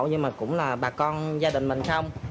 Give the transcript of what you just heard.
nhưng mà cũng là bà con gia đình mình không